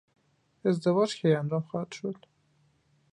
ازدواج کی انجام خواهد شد؟